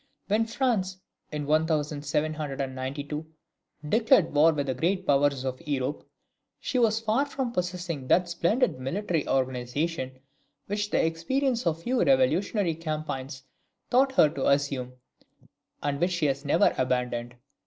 When France, in 1792, declared war with the great powers of Europe, she was far from possessing that splendid military organization which the experience of a few revolutionary campaigns taught her to assume, and which she has never abandoned.